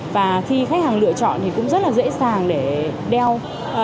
và khi khách hàng lựa chọn thì cũng rất là dễ dàng để đeo